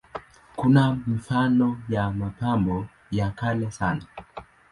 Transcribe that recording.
Kuna mifano ya mapambo ya kale sana.